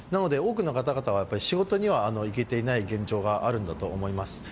多くの方々は仕事には行けていない現状があるんだと思います。